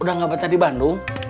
udah gak baca di bandung